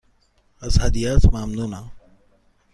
از هدیهات ممنونم.